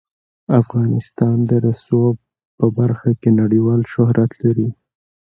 افغانستان د رسوب په برخه کې نړیوال شهرت لري.